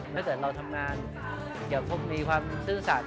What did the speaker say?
เมื่อเกิดเราทำงานเกี่ยวกับพวกมีความสื่อสัตว์